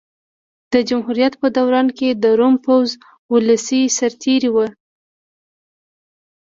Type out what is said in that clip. د جمهوریت په دوران کې د روم پوځ ولسي سرتېري وو